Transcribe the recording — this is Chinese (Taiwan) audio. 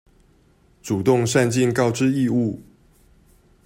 主動善盡告知義務